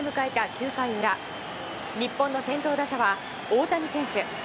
９回裏日本の先頭打者は、大谷選手。